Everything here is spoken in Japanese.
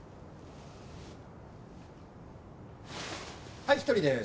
はい１人でーす。